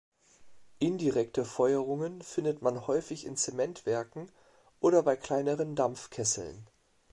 Indirekte Feuerungen findet man häufig in Zementwerken oder bei kleineren Dampfkesseln.